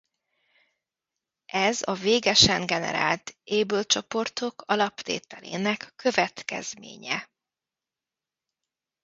Ez a végesen generált Abel-csoportok alaptételének következménye.